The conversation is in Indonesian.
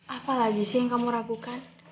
apa lagi sih yang kamu ragukan